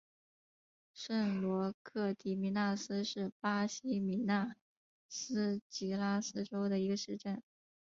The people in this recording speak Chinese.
圣罗克迪米纳斯是巴西米纳斯吉拉斯州的一个市镇。